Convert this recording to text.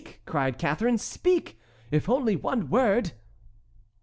cried Catharine, "speak! if only one word!"